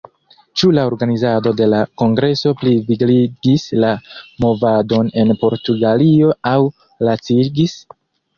Ĉu la organizado de la kongreso plivigligis la movadon en Portugalio aŭ lacigis?